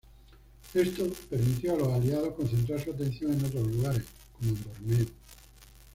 Esto permitió a los aliados concentrar su atención en otros lugares, como en Borneo.